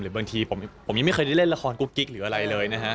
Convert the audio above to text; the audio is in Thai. บางทีผมยังไม่เคยได้เล่นละครกุ๊กกิ๊กหรืออะไรเลยนะฮะ